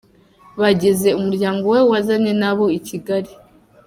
bagize umuryango we yazanye na bo i Kigali.